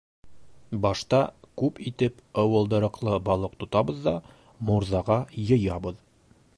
- Башта күп итеп ыуылдырыҡлы балыҡ тотабыҙ ҙа мурҙаға йыябыҙ.